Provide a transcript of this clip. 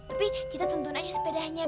tapi kita tuntun aja sepedanya